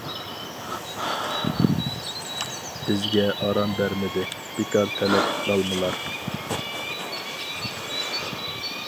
بىزگە ئارام بەرمىدى، بىكار تەلەت لالمىلار.